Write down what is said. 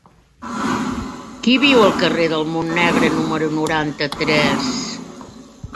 Qui viu al carrer del Montnegre número noranta-tres?